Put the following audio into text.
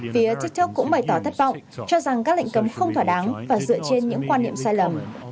phía tiktok cũng bày tỏ thất vọng cho rằng các lệnh cấm không thỏa đáng và dựa trên những quan niệm sai lầm